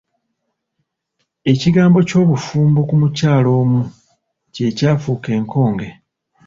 Ekigambo ky'obufumbo ku mukyala omu kye kyafuuka enkonge.